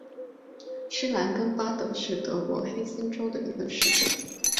施兰根巴德是德国黑森州的一个市镇。